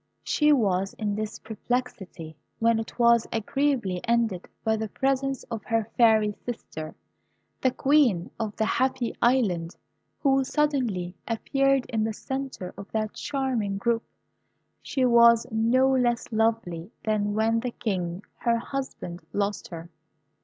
She was in this perplexity when it was agreeably ended by the presence of her Fairy sister, the Queen of the Happy Island, who suddenly appeared in the centre of that charming group. She was no less lovely than when the King, her husband, lost her.